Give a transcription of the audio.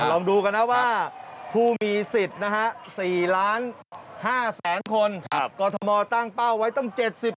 ลองดูกันนะว่าผู้มีสิทธิ์๔๕ล้านคนกอทมตั้งเป้าไว้ต้อง๗๐